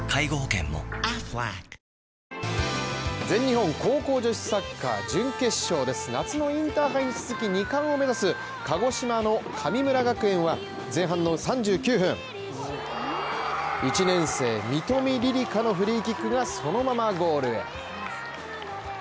全日本高校女子サッカー準決勝です夏のインターハイに続き２冠を目指す鹿児島の神村学園は前半の３９分１年生三冨りりかのフリーキックはそのままゴールへ。